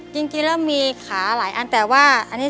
ยังไม่มีแฟนนี่